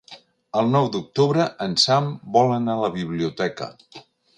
El nou d'octubre en Sam vol anar a la biblioteca.